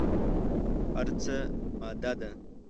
هر څه ماده ده.